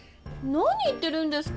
なに言ってるんですか！